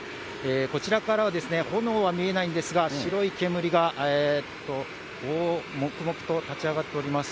こちらからは炎は見えないんですが、白い煙がもくもくと立ち上がっております。